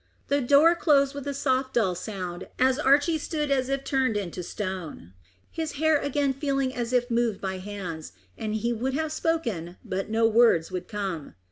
The door closed with a soft dull sound as Archy stood as if turned into stone, his hair again feeling as if moved by hands, and he would have spoken, but no words would come.